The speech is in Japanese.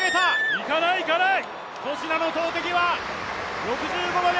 行かない行かない。